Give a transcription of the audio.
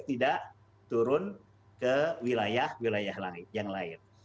tidak turun ke wilayah wilayah yang lain